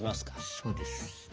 そうです。